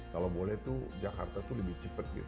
kalau boleh tuh jakarta tuh lebih cepat gitu